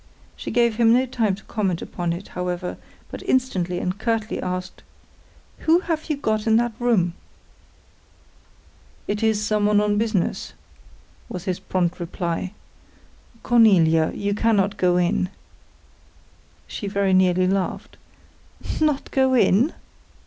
She gave him no time to comment upon it, however, but instantly and curtly asked, "Who have you got in that room?" "It is some one on business," was his prompt reply. "Cornelia, you cannot go in." She very nearly laughed. "Not go in?"